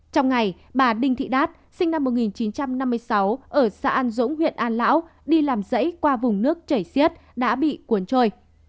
trong ngày bà đinh thị đát sinh năm một nghìn chín trăm năm mươi sáu ở xã an dũng huyện an lão đi làm dãy qua vùng nước chảy xiết đã bị cuốn trôi